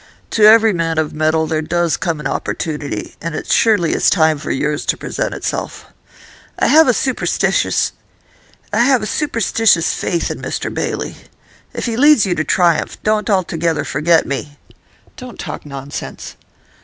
To every man of mettle there does come an opportunity, and it surely is time for yours to present itself. I have a superstitious faith in "Mr Bailey." If he leads you to triumph, don't altogether forget me.' 'Don't talk nonsense.